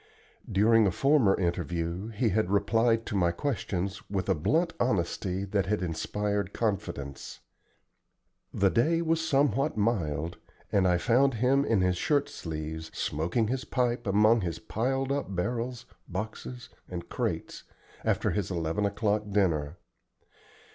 During a former interview he had replied to my questions with a blunt honesty that had inspired confidence. The day was somewhat mild, and I found him in his shirt sleeves, smoking his pipe among his piled up barrels, boxes, and crates, after his eleven o'clock dinner.